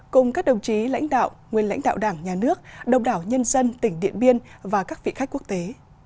cùng các đồng chí lãnh đạo nguyên lãnh đạo đảng nhà nước đồng đảo nhân dân tỉnh điện biên và các vị khách quốc tế